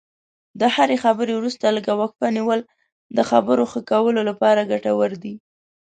د هرې خبرې وروسته لږه وقفه نیول د خبرو ښه کولو لپاره ګټور دي.